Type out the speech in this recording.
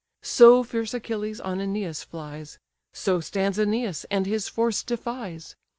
So fierce Achilles on Æneas flies; So stands Æneas, and his force defies.